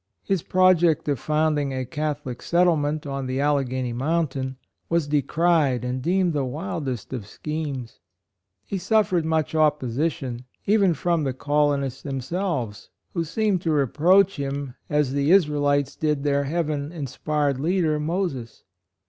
His project of found ing a Catholic settlement on the Alleghany mountain was decried and deemed the wildest of schemes. He suffered much opposition, even from the colonists themselves, who seemed to reproach him as the Is raelites did their heaven inspired leader, Moses.